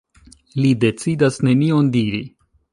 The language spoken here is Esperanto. Li decidas nenion diri.